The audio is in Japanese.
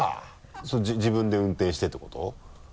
それ自分で運転してっていうこと？